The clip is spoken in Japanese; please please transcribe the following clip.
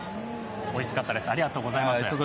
おいしかったです、ありがとうございました。